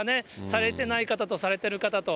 されてない方とされてる方と。